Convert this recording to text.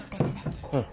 うん。